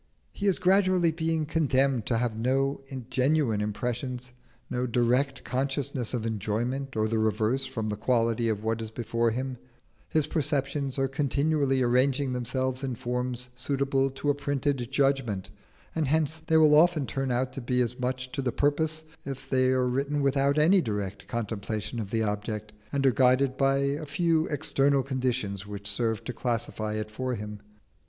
He is gradually being condemned to have no genuine impressions, no direct consciousness of enjoyment or the reverse from the quality of what is before him: his perceptions are continually arranging themselves in forms suitable to a printed judgment, and hence they will often turn out to be as much to the purpose if they are written without any direct contemplation of the object, and are guided by a few external conditions which serve to classify it for him.